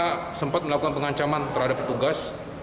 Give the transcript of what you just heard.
kita sempat melakukan pengancaman terhadap petugas